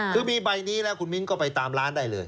คือมีใบนี้แล้วคุณมิ้นก็ไปตามร้านได้เลย